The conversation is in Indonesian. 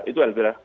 itu yang terakhir